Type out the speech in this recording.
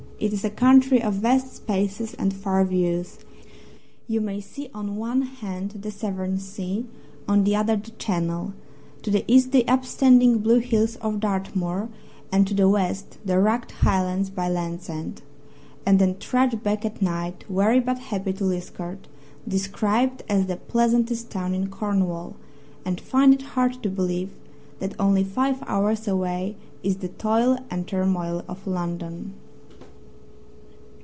It is a country of vast spaces and far views. You may see on one hand the Severn Sea, on the other the Channel; to the east the upstanding blue hills of Dartmoor and to the west the rugged highlands by Land's End and then trudge back at night weary but happy to Liskeard, described as "the pleasantest town in Cornwall," and find it hard to believe that only five hours away is the toil and turmoil of London.